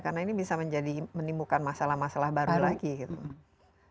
karena ini bisa menjadi menimbulkan masalah masalah baru lagi gitu